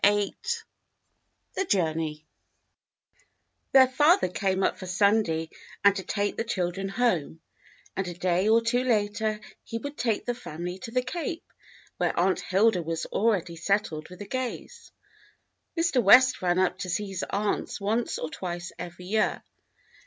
VIII The Journey THEIR father came up for Sunday and to take the children home, and a day or two later he would take the family to the Cape, where Aunt Hilda was already settled w^ith the Gays. Mr. West ran up to see his aunts once or twice every year.